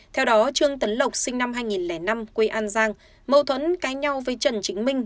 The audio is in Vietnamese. theo đó trương tấn lộc sinh năm hai nghìn năm quê an giang mâu thuẫn cá nhau với trần chính minh